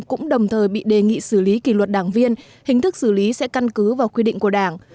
cũng đồng thời bị đề nghị xử lý kỷ luật đảng viên hình thức xử lý sẽ căn cứ vào quy định của đảng